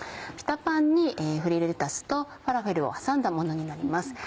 ピタパンにフリルレタスとファラフェルを挟んだものになります。